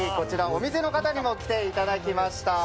お店の方にも来ていただきました。